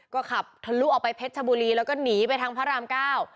ก็ขับทะลุออกไปเพชรชบุรีแล้วก็หนีไปทางพระรามเก้า